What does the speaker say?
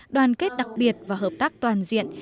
đoàn kết đặc biệt và hợp tác toàn diện